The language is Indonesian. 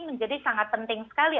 menjadi sangat penting sekali